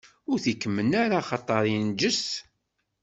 Ur t-ikemmen ara, axaṭer inǧes.